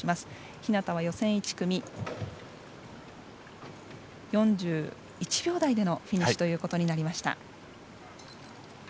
日向は予選１組、４１秒台でのフィニッシュとなりました。